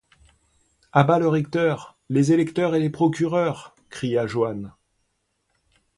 À bas le recteur, les électeurs et les procureurs! cria Joannes.